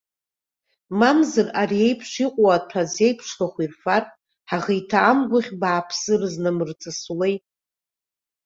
Мамзар ари еиԥш иҟоу аҭәа азеиԥшрахә ирфар, ҳаӷеиҭа, амгәахь бааԥсы рзнамырҵысуеи!